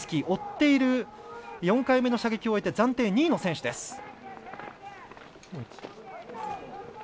追っている４回目の射撃を終えて暫定２位の選手です。